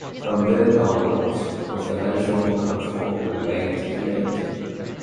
From then onwards, the financial control remained in London.